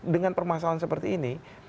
dengan permasalahan seperti ini